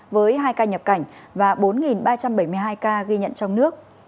với hai ca nhập cảnh và bốn ba trăm bảy mươi hai ca ghi nhận trong nước